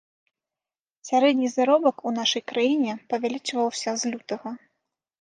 Сярэдні заробак у нашай краіне павялічваўся з лютага.